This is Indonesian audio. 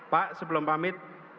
pak sebelum pamit